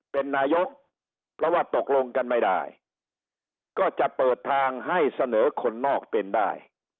เป็นนายกเพราะว่าตกลงกันไม่ได้ก็จะเปิดทางให้เสนอคนนอกเป็นได้